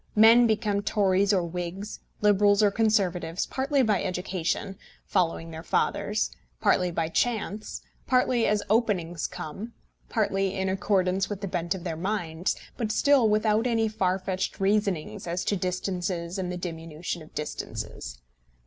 Men become Tories or Whigs, Liberals or Conservatives, partly by education, following their fathers, partly by chance, partly as openings come, partly in accordance with the bent of their minds, but still without any far fetched reasonings as to distances and the diminution of distances.